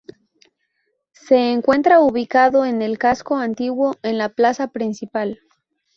Se encuentra ubicado en el casco antiguo, en la plaza principal.